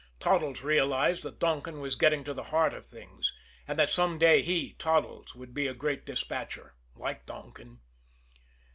Toddles realized that Donkin was getting to the heart of things, and that some day he, Toddles, would be a great despatcher like Donkin.